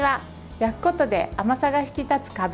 焼くことで甘さが引き立つかぶ。